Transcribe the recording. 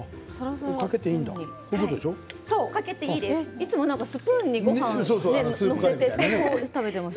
いつもスプーンにごはんを載せてすくって食べていました。